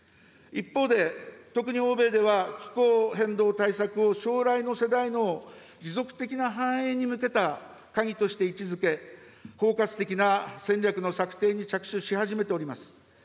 一方で、特に欧米では気候変動対策を将来の世代の持続的な繁栄に向けた鍵として位置づけ、包括的な戦略の策定に着手し始めております。